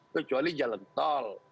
kecuali jalan tol